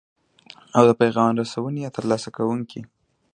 او د پیغام رسونې یا ترلاسه کوونې.